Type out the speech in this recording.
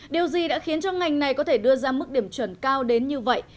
điều gì đã khiến cho ngành này có thể đưa ra mức điểm chuẩn cao đến như vậy